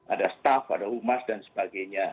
ada staff ada humas dan sebagainya